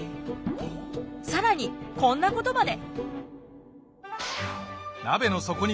更にこんなことまで。